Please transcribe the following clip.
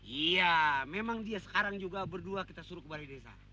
iya memang dia sekarang juga berdua kita suruh balai desa